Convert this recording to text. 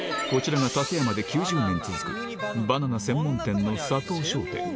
こちらが館山で９０年続く、バナナ専門店の佐藤商店。